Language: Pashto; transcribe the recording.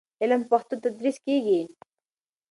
علم په پښتو تدریس کېږي.